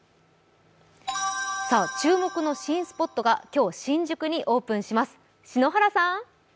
注目の新スポットが今日新宿にオープンします。